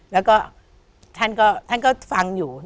แล้วก็ท่านก็ฟังอยู่